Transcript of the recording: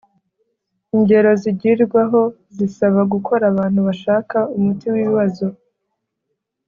Ingero zigirwaho zisaba gukora abantu bashaka umuti w ibibazo